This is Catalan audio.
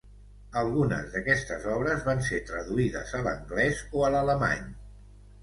Algunes d'aquestes obres van ser traduïdes a l'anglès o a l'alemany.